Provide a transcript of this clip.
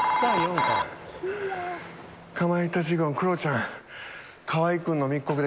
かまいたち軍クロちゃん、捕まった。